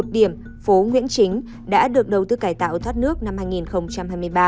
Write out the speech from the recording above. một điểm phố nguyễn chính đã được đầu tư cải tạo thoát nước năm hai nghìn hai mươi ba